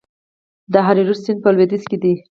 د هریرود سیند په لویدیځ کې دی